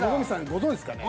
ご存じですかね？